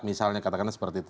misalnya katakanlah seperti itu